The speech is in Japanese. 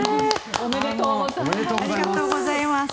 おめでとうございます。